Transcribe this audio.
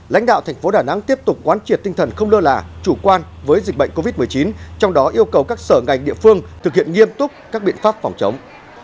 lãnh đạo thành phố đà nẵng tiếp tục quán triệt tinh thần không lơ là chủ quan với dịch bệnh covid một mươi chín trong đó yêu cầu các sở ngành địa phương thực hiện nghiêm túc các biện pháp phòng chống